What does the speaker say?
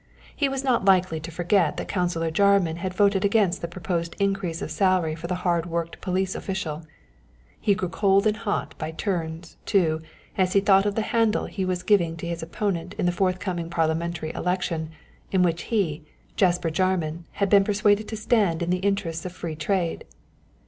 He was not likely to forget that Councillor Jarman had voted against the proposed increase of salary for the hard worked police official. He grew cold and hot by turns, too, as he thought of the handle he was giving to his opponent in the forthcoming parliamentary election, in which he, Jasper Jarman, had been persuaded to stand in the interests of Free Trade.